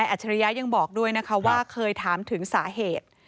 ฉริยะยังบอกด้วยนะคะว่าเคยถามถึงสาเหตุ